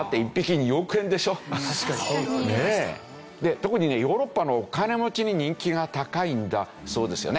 特にねヨーロッパのお金持ちに人気が高いんだそうですよね。